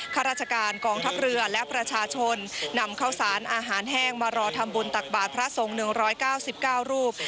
ข้าราชการกองทัพเรือและประชาชนนำข้าวสารอาหารแห้งมารอทำบุญตักบาทพระสงฆ์๑๙๙รูป